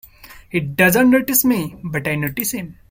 He doesn't notice me, but I notice him.